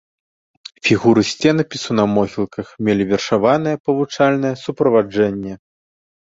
Фігуры сценапісу на могілках мелі вершаванае павучальнае суправаджэнне.